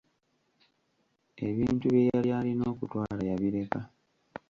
Ebintu bye yali alina okutwala yabireka.